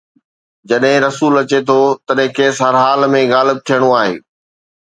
جڏهن رسول اچي ٿو، تڏهن کيس هر حال ۾ غالب ٿيڻو آهي.